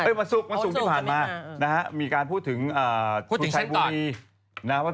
เอ้ยวันศุกร์วันศุกร์ที่ผ่านมานะฮะมีการพูดถึงเอ่อพูดถึงฉันตอน